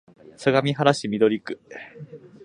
相模原市緑区